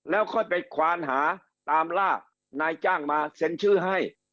แล้วค่อยไปควานหาตามล่านายจ้างมาเซ็นชื่อให้